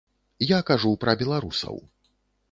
Я кажу пра беларусаў.